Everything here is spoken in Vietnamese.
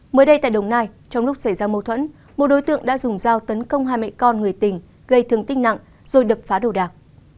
mới đây tại đồng nai trong lúc xảy ra mâu thuẫn một đối tượng đã dùng dao tấn công hai mẹ con người tình gây thương tích nặng rồi đập phá đồ đạc